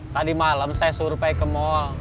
tadi malam saya survei ke mall